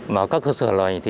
mà các cơ sở này